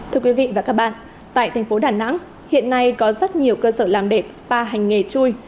thưa quý vị và các bạn tại thành phố đà nẵng hiện nay có rất nhiều cơ sở làm đẹp spa hành nghề chui